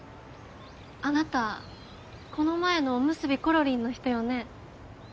あなたこの前のおむすびころりんの人よね？